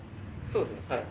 そうですねはい。